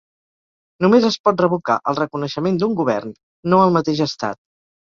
Només es pot revocar el reconeixement d'un govern, no el mateix estat.